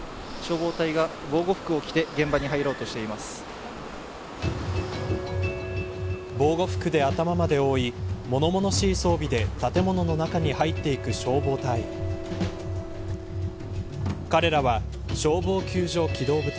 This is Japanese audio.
防護服で頭まで覆いものものしい装備で建物の中に入っていく消防隊。